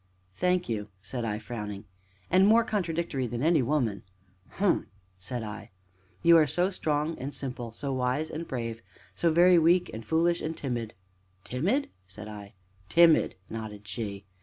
"Thank you!" said I, frowning. "And more contradictory than any woman!" "Hum!" said I. "You are so strong and simple so wise and brave and so very weak and foolish and timid!" "Timid?" said I. "Timid!" nodded she.